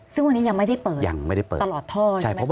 ซึ่งวันนี้ยังไม่ได้เปิดตลอดท่อใช่ไหม